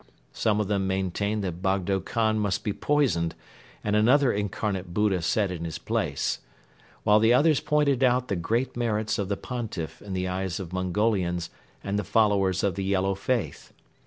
Some of them maintained that Bogdo Khan must be poisoned and another Incarnate Buddha set in his place; while the others pointed out the great merits of the Pontiff in the eyes of Mongolians and the followers of the Yellow Faith.